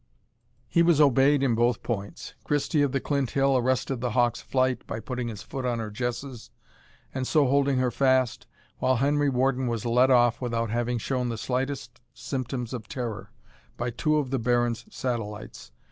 He was obeyed in both points. Christie of the Clinthill arrested the hawk's flight, by putting his foot on her jesses, and so holding her fast, while Henry Warden was led off, without having shown the slightest symptoms of terror, by two of the Baron's satellites.